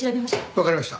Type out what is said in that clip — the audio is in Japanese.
わかりました。